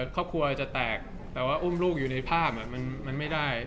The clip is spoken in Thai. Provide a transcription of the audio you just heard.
ครอบครัวจะแตกแต่ว่าอุ้มลูกอยู่ในภาพมันไม่ได้